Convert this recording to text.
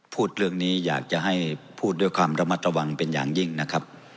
พูดเรื่องนี้อยากจะให้พูดด้วยความระมัดระวังเป็นอย่างยิ่งนะครับ